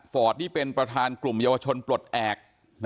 ฟอร์ตนี่เป็นประธานกลุ่มยาวชนปลดแอก